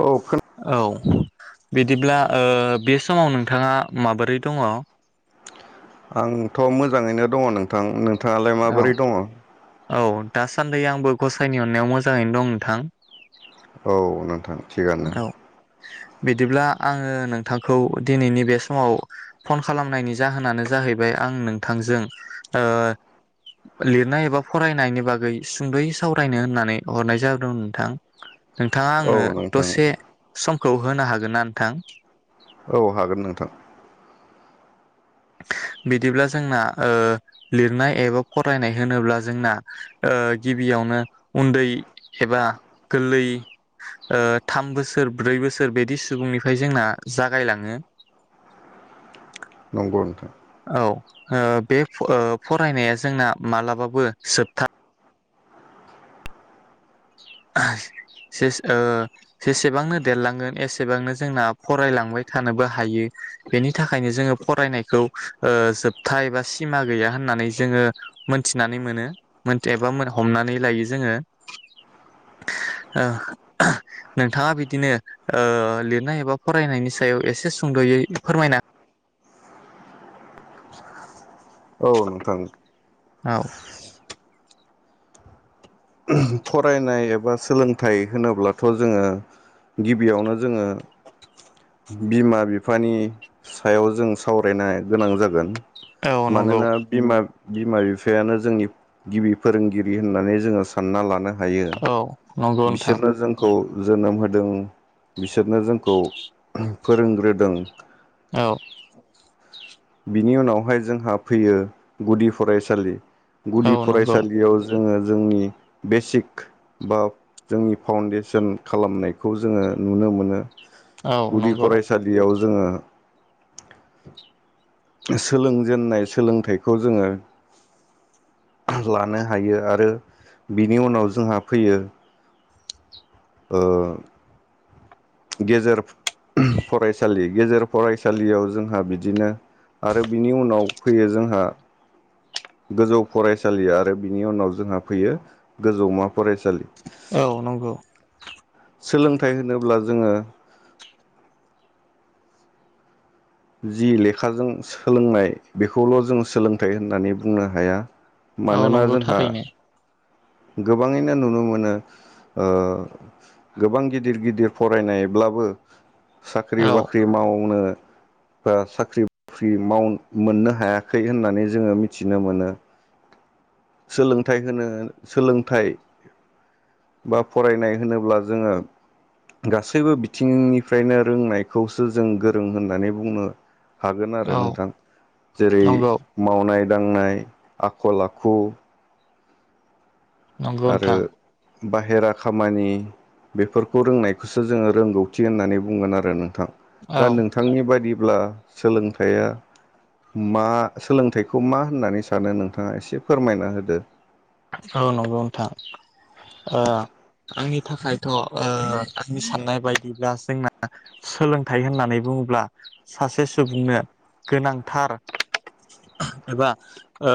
औ खोना औ बिदिब्ला ओ बे समाव नोंथाङा माबोरै दङ? आंथ' मोजाङैनो दङ नोंथां। नोंथाङालाय माबोरै दङ? औ दासान्दि आंबो गसाइनि अननायाव मोजाङैनो दं नोंथां। औ नोंथां। थिगनो औ बिदिब्ला आङो नोंथांखौ दिनैनि बे समाव फन खालामनायनि जाहोनानो जाहैबाय आं नोंथांजों लिरनाय एबा फरायनायनि बागै सुंद'यै सावरायनो होननानै हरनाय जादों नोंथां। नोंथाङा औ आंनो नोंथां दसे सम खौ होनो हागोन ना नोंथां? औ हागोन नोंथां बिदिब्ला जोंना ओ लिरनाय एबा फरायनाय होनोब्ला जोंना ओ गिबियावनो उन्दै एबा गोरलै ओ थाम बोसोर ब्रै बोसोर बिदि सुबुंनिफ्राय जोंना जागायलाङो। नंगौ नोथां। औ ओ बे फरायनाया जोंना मालाबाबो जोबथा ओ जेसेबांनो देरलांगोन एसेबांनो जोंना फरायलांबाय ओ थानोबो हायो। बेनि थाखायनो जोङो फरायनायखौ ओ जोबथा एबा सिमा गैया होननानै जोङो मोनथिनानै मोनो एबा हमनानै लायो जोङो। ओह नोंथाङा बिदिनो ओ लिरनाय एबा फरायनायनि सायाव एसे सुंद'यै फोरमायना औ नोंथां। औ फरायनाय एबा सोलोंथाइ होनोब्लाथ' जोङो गिबियावनो जोङो बिमा बिफानि सायाव जों सावरायनो गोनां जागोन औ नंगौ मानोना बिमा बिमा बिफायानो जोंनि गिबि फोरोंगिरि होननानै जोङो सानना लानो हायो औ नंगौ नोंथां बिसोरनो जोंखौ जोनोम होदों बिसोरनो जोंखौ फोरोंग्रोदों औ बिनि उनावहाय जोंहा फैयो गुदि फरायसालि औ गुदि नंगौ फरायसालियाव जोङो जोंनि बेसिक बा जोंनि फाउन्डेसन खालामनायखौ जोङो नुनो मोनो। औ गुदि नंगौ फरायसालियाव जोङो सोलोंजेननाय सोलोंथाइखौ जोङो लानो हायो आरो बिनि उनाव जोंहा फैयो ओ गेजेर फरायसालि गेजेर फरायसालियाव जोंहा बिदिनो आरो बिनि उनाव फैयो जोंहा गोजौ फरायसालि आरो बिनि उनाव जोंहा फैयो गोजौमा फरायसालि औ नंगौ सोलोंथाइ होनोब्ला जोङो जि लेखाजों सोलोंनाय बेखौल जों सोलोंथाइ होननानै बुंनो हाया औ मानोना नंगौ जोंहा थारैनो गोबांयैनो नुनो मोनो ओ गोबां गिदिर गिदिर फरायनायब्लाबो साख्रि औ बाख्रि मावनो ओ साख्रि बाख्रि मोननो हायाखै होननानै जोङो मिथिनो मोनो सोलोंथाइ होनो सोलोंथाइ बा फरायनाय होनोब्ला जोङो गासैबो बिथिंनिफ्रायनो रोंनायखौसो जों गोरों होननानै बुंनो हागोन आरो औ नोंथां जेरै नंगौ मावनाय दांनाय आखल आखु नंगौ आरो नोंथां बाहेरा खामानि बेफोरखौ रोंनायखौसो जोङो रोंगौथि होननानै बुंगोन आरो नोंथां नोंथां औ दा नोंथांनि बादिब्ला सोलोंथाइया मा सोलोंथाइखौ मा होननानै सानो नोंथाङा एसे फोरमायना होदो औ नंगौ नोंथां ओ आंनि थाखायथ आंनि साननाय बायदिब्ला जोंना सोलोंथाइ होननानै बुङोब्ला सासे सुबुंनो गोनांथार एबा ओ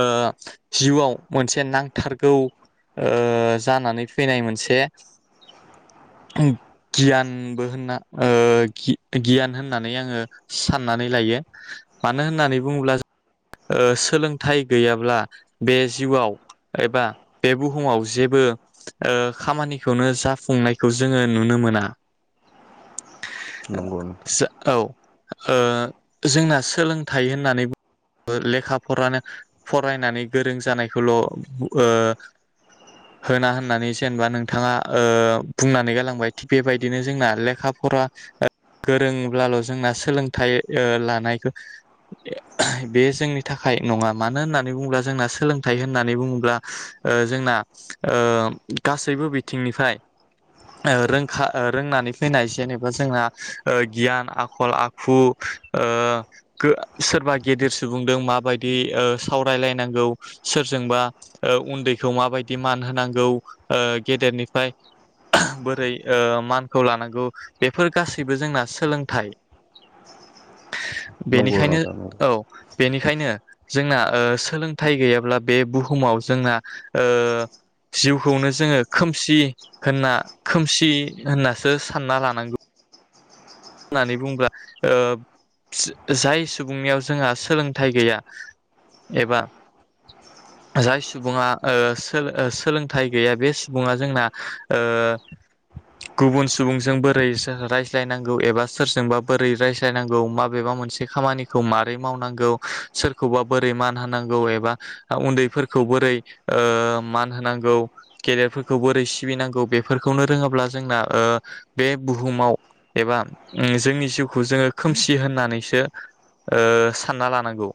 जिउआव मोनसे नां थारगौ ओ जानानै फैनाय मोनसे गियान होननानै आङो साननानै लायो मानो होननानै बुङोब्ला ओ सोलोंथाइ गैयाब्ला बे जिउआव एबा बे बुहुमाव जेबो ओ खामानिखौनो जाफुंनायखौ जोङो नुनो मोना ओ नंगौ नोंथां जा औ [unintelligible] ओ जोंना सोलोंथाइ होननानै लेखा फरा फरायनानै गोरों जानायखौल ओ होना होननानै जेनोबा नोंथाङा ओ बुंनानै गालांबाय थिग बेबायदिनो जोंना लेखा फरा गोरोंब्लाल जोंना सोलोंथाइ ओ लानायखौ बे जोंनि थाखाय नङा मानो होननानै बुङोब्ला जोंना सोलोंथाइ होननानै बुङोब्ला ओ जोंना ओ गासैबो बिथिंनिफ्राय ओ रोंखा रोंनानै फैनाय जेनेबा जोंना ओ गियान आखल आखु ओ सोरबा गेदेर सुबुंजों माबायदि ओ सावरायलायनांगौ सोरजोंबा ओ उन्दैखौ माबायदि मान होनांगौ ओ गेदेरनिफ्राय बोरै मानखौ लानांगौ बेफोर गासैबो जोंना सोलोंथाइ नंगौ बेनिखायनो नोंथां नंगौ औ बेनिखायनो जोंना ओ सोलोंथाइ गैयाब्ला बे बुह बुहुमाव जोंना ओ जिउखौनो जोङो खोमसि होनना खोमसि होननासो सानना लानांगौ होननानै बुंब्ला जाय सुबुंनि याव जोंहा सोलोंथाइ गैया एबा जाय सुबुंआ ओ सोलोंथाइ गैया बे सुबुङा जोंना ओ गुबुन सुबुंजों बोरै रायज्लायनांगौ एबा सोरजोंबा बोरै रायज्लायनांगौ माबेबा मोनसे खामानिखौ मारै मावनांगौ सोरखौबा बोरै मान होनांगौ एबा उन्दैफोरखौ बोरै ओ मान होनांगौ गेदेरफोरखौ बोरै सिबिनांगौ बेफोरखौनो रोङाब्ला जोंना ओ बे बुहुमाव एबा उम जोंनि जिउखौ जोङो खोमसि होननानैसो ओ सानना लानांगौ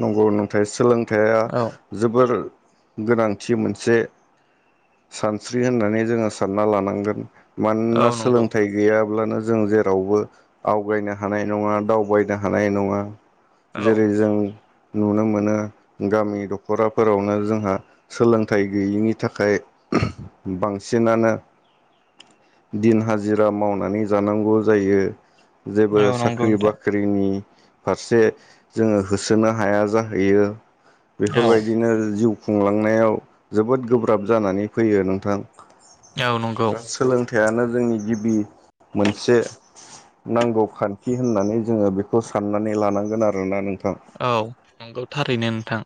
नंगौ नंथाय सोलों थाया औ जोबोर गोनांथि मोनसे सानस्रि होननानै जोङो सानना लानांगोन मानोना नंगौ सोलोंथाइ गैयाबा अब्ला ना जों जेरावबो आवगायनो हानाय नङा दावबायनो हानाय नङा औ जेरै जों नुनो मोनो गामि दखराफोरावनो जोंहा सोलोंथाइ गैयैनि थाखाय बांसिनानो दिन हाजिरा मावनानै जानांगौ जायो जेबो औ साख्रि बाख्रिनि फारसे जोङो हो सोनो हाया जाहैयो बेफोरबायदिनो जिउ खुंलांनायाव जोबोद गोब्राब जानानै फैयो नोंथां औ नंगौ फिसायानो जोंनि गिबि मोनसे नांगौ खान्थि होननानै जोङो बेखौ साननानै लानांगोन आरोना नोंथ औ नंगौ थारैनो नोंथां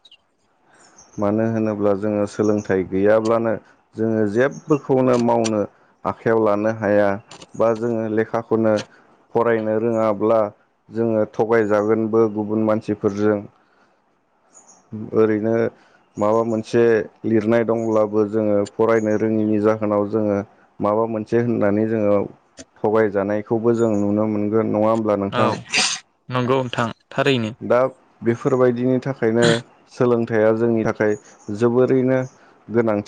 मानो होनोब्ला जोङो सोलोंथाइ गैयाब्लानो जोङो जेबोखौनो मावनो आखायाव लानो हाया बा जोङो लेखाखौनो फरायनो रोङाब्ला जोङो थगायजागोनबो गुबुन मानसिफोरजों ओरैनो माबा मोनसे लिरनाय दंब्लाबो जोङो फरायनो रोङिनि जाहोनाव जोङो माबा मोनसे होननानै जोङो थगायजानायखौबो जों नुनो मोनगोन नङा होमब्ला औ नोंथां नंगौ नोंथां थारैनो दा बे बेफोरबायदिनि थाखायनो सोलोंथाइया जोंनि थाखाय जोबोरैनो गोनां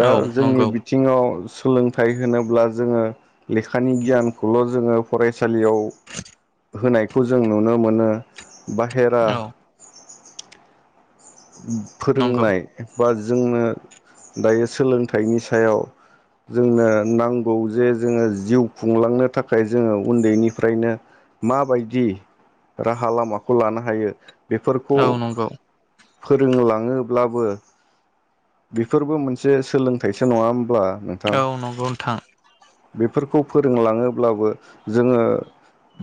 दा औ जोंनि नंगौ बिथिङाव [unintelligible] सोलोंथाइ होनोब्ला जोङो लेखानि गियानखौल' जोङो फरायसालियाव होनाय खौ जों नुनो मोनो बाहेरा औ ओम' नंगौ फोरोंनाय बा जोंनो दायो सोलोंथाइनि सायाव जोंनो नांगौ जे जोङो जिउ खुंलांनो थाखाय जोङो उन्दैनिफ्रायनो माबायदि राहा लामाखौ लानो हायो बेफोरखौ औ नंगौ फोरोंलाङोब्लाबो बेफोरबो मोनसे सोलोंथाइसो नङा होन औ नंगौ नोंथां बेफोरखौ फोरोंलाङोब्लाबो जोङो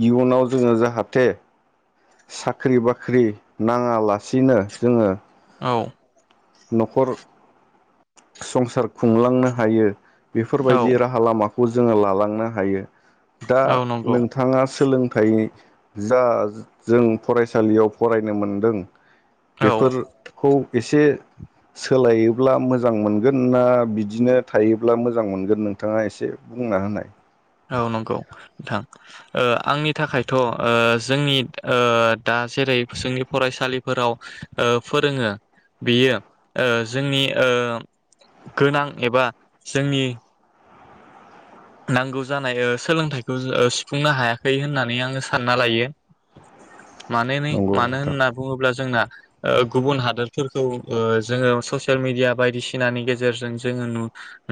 इयुनाव जोङो जाहाथे साख्रि बाख्रि नाङालासिनो जोङो औ न'खर संसार खुंलांनो हायो औ बेफोरबायदि राहा लामा खौ जोङो लालांनो हायो दा औ नंगौ नोंथाङा सोलोंथाइ जा जों फरायसालियाव फरायनो मोनदों औ बेफोर खौ एसे सोलायोब्ला मोजां मोनगोन ना बिदिनो थायोब्ला मोजां मोनगोन नोंथाङा एसे बुंना होनाय औ नंगौ नोंथां ओ आंनि थाखायथ' ओ जोंनि ओ दा जेरै जोंनि फरायसालिफोराव ओ फोरोङो बेयो ओ जोंनि ओ गोनां एबा जोंनि नांगौ जानाय ओ सोलोंथाइखौ ओ सुफुंनो हायाखै होननानै आङो सानना लायो मानोनि नंगौ मानो नोंथां होनना बुङोब्ला जोंना ओ गुबुन हादोरफोरखौ ओ जोङो ससियेल मेडिया बायदिसिनानि गेजेरजों जोङो नु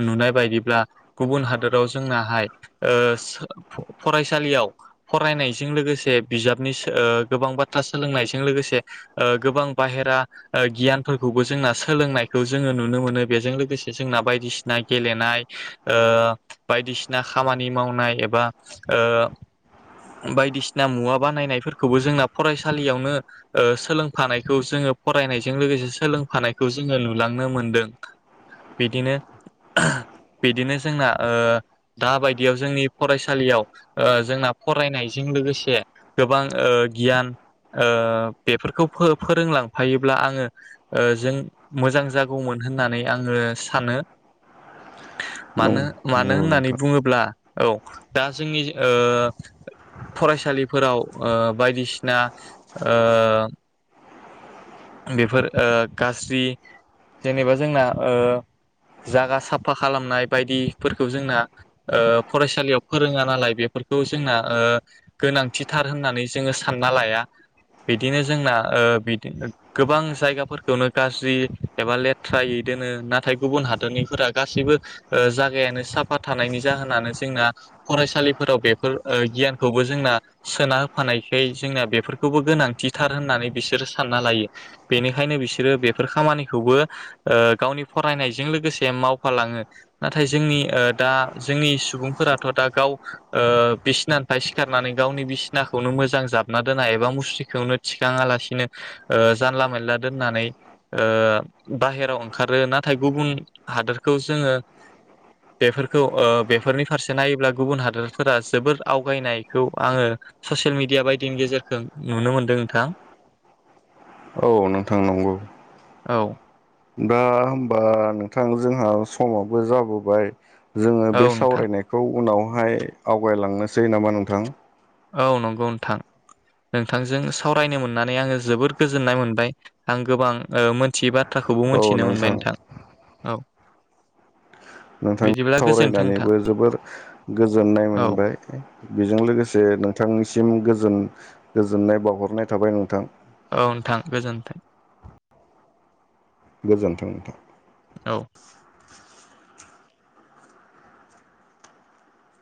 नुनाय बायदिब्ला गुबुन हादोर ओ जोंनाहाय ओ सो फ-फरायसालियाव फरायनायजों लोगोसे बिजाबनि सो ओ गोबां बाथ्रा सोलोंनायजों लोगोसे ओ गोबां बाहेरा ओ गियानफोरखौबो जोंना सोलोंनायखौ जोङो नुनो मोनो। बेजों लोगोसे जोंना बायदिसिना गेलेनाय ओ बायदिसिना खामानि मावनाय एबा ओ बायदिसिना मुवा बानायनायफोरखौबो जोंना फरायसालियावनो ओ सोलोंफानायखौ जोङो फरायनायजों लोगोसे सोलोंफानायखौ जोङो नुलांनो मोनदों बिदिनो बिदिनो जोंना ओ दाबायदियाव जोंनि फरायसालियाव ओ जोंना फरायनायजों लोगोसे गोबां ओ गियान ओ बेफोरखौ फो फोरोंलांफायोब्ला आङो ओ जों मोजां जागौमोन होननानै आङो सानो नं मानो मानो नंगौ होननानै नोंथां बुङोब्ला औ दा जोंनि ओ फरायसालिफोराव ओ बायदिसिना ओ बेफोर ओ गाज्रि जेनेबा जोंना ओ जागा साफा खालामनाय बायदि फोरखौ जोंना ओ फरायसालियाव फोरोङा नालाय बेफोरखौ जोंना ओ गोनांथिथार होननानै जोङो सानना लाया। बिदिनो जोंना ओ बिदिनो गोबां जायगाफोरखौनो गाज्रि एबा लेथ्रायै दोनो। नाथाय गुबुन हादरनिफोरा गासैबो ओ जा गायानो साफा थानायनि जाहोनानो जोंना फरायसालिफोराव बेफोर गियानखौबो जोंना सोना होफानायखाय जोंना बेफोरखौबो गोनांथिथार होननानै बिसोरो सानना लायो। बेनिखायनो बिसोरो बेफोर खामानिखौबो गावनि फरायनायजों लोगोसे मावफालाङो। नाथाय जोंनि दा जोंनि सुबुंफोराथ' दा गाव ओ बिसिनानिफ्राय सिखारनानै गावनि बिसिनाखौनो मोजां जाबना दोना एबा मुस्रिखौनो थिखाङा लासिनो ओ जानला मोनला दोननानै ओ बाहेराव ओंखारो नाथाय गुबुन हादोरखौ जोङो बेफोरखौ ओ बेफोरनि फारसे नायोब्ला गुबुन हादोरफोरा जोबोर आवगायनायखौ आङो ससियेल मिडिया बायदिनि गेजेरखौ नुनो मोनदों नोंथां। औ नोंथां नंगौ। औ। दा होमबा नोंथां जोंहा समाबो जाबोबाय जोङो औ बे नोंथां सावरायनायखौ उनाव हाय आवगायलांनो सै नामा नोंथां? औ नंगौ नोंथां। नोंथांजों सावरायनो मोननानै आङो जोबोद गोजोननाय मोनबाय। आं गोबां मोनथियि बा थ्राखौबो मिथिनो मोनबाय नोंथां। औ। नोंथांजों बिदिब्ला गोजोन्थों नोंथां सावरायनानैबो जोबोर गोजोननाय औ मोनबाय। बेजों लोगोसे नोंथांनिसिम गोजोन गोजोननाय बाउहरनाय थाबाय नोंथां। औ नोंथां गोजोनथों। गोजोन्थों नोंथां। औ।